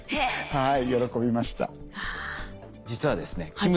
はい。